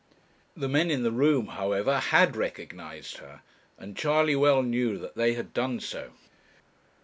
The men in the room, however, had recognized her, and Charley well knew that they had done so.